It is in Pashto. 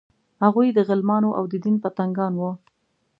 هغوی د غلمانو او د دین پتنګان وو.